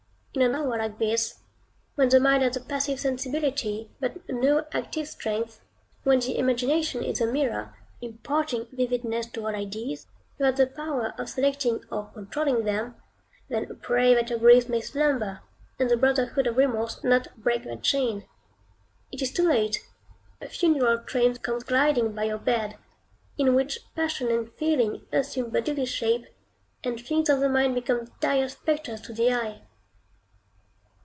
In an hour like this, when the mind has a passive sensibility, but no active strength; when the imagination is a mirror, imparting vividness to all ideas, without the power of selecting or controlling them; then pray that your griefs may slumber, and the brotherhood of remorse not break their chain. It is too late! A funeral train comes gliding by your bed, in which Passion and Feeling assume bodily shape, and things of the mind become dire spectres to the eye.